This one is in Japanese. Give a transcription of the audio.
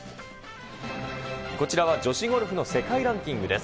こちらは女子ゴルフの世界ランキングです。